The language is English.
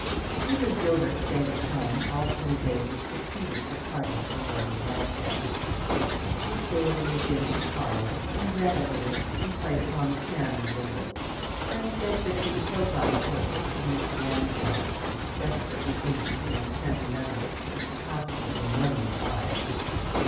Mrs. Gilbert stayed at home all through the day which succeeded her parting from Roland Lansdell. She stayed in the dingy parlour, and read a little, and played upon the piano a little, and sketched a few profile portraits of Mr. Lansdell, desperately inky and sentimental, with impossibly enormous eyes.